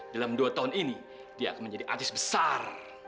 dalam dua tahun ini dia akan menjadi artis besar